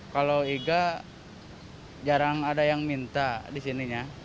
kalau iga jarang ada yang minta di sininya